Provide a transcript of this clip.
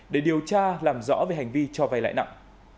để điều tra làm rõ về hành vi cho vay lãi nặng